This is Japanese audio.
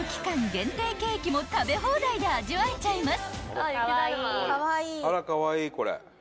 限定ケーキも食べ放題で味わえちゃいます］